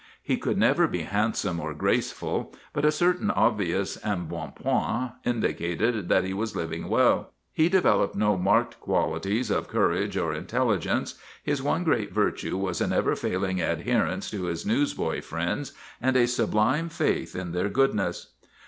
He could never be handsome or grace ful, but a certain obvious embonpoint indicated that he was living well. He developed no marked quali ties of courage or intelligence; his one great virtue was a never failing adherence to his newsboy friends and a sublime faith in their goodness.